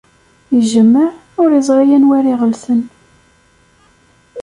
Ijemmeɛ, ur iẓri anwa ara iɣellten.